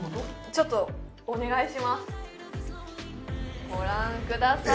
ちょっとお願いしますご覧ください